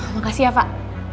makasih ya pak